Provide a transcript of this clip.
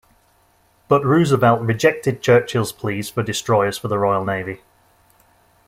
But Roosevelt rejected Churchill's pleas for destroyers for the Royal Navy.